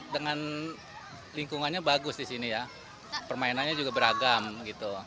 dengan lingkungannya bagus di sini ya permainannya juga beragam gitu jadi anak anak pun suka dengan